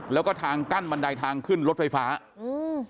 แล้วก็ทางกั้นบันไดทางขึ้นรถไฟฟ้าอืม